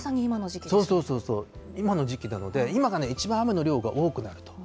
そうそうそう、今の時期なので、今がね、いちばん雨の量が多くなると。